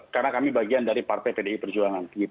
karena kami bagian dari partai pdi perjuangan